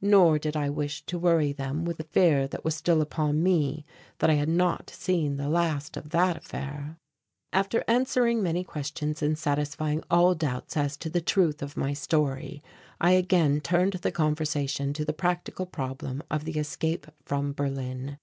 Nor did I wish to worry them with the fear that was still upon me that I had not seen the last of that affair. After answering many questions and satisfying all doubts as to the truth of my story, I again turned the conversation to the practical problem of the escape from Berlin.